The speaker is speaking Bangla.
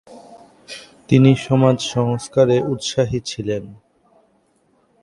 তিনি সমাজ সংস্কারে উৎসাহী ছিলেন।